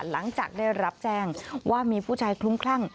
หลังจากได้รับแจ้งว่ามีผู้ชายคลุ้มคลั่ง